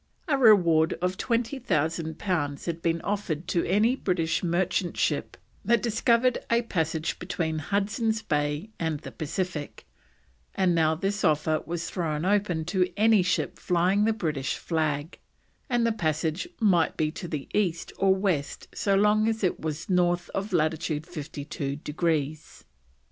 A reward of 20,000 pounds had been offered to any British merchant ship that discovered a passage between Hudson's Bay and the Pacific; and now this offer was thrown open to any ship flying the British flag, and the passage might be to the east or west so long as it was north of latitude 52 degrees.